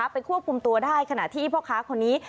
ควบคุมตัวได้ขณะที่พ่อค้าคนนี้